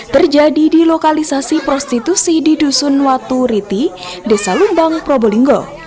terjadi di lokalisasi prostitusi di dusun watu riti desa lumbang probolinggo